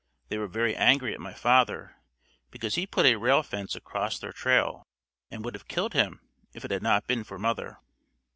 They were very angry at my father because he put a rail fence across their trail and would have killed him if it had not been for mother.